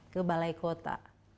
ke balai kota